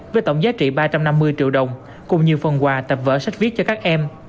với tổng giá trị ba trăm năm mươi triệu đồng cùng nhiều phần quà tập vở sách viết cho các em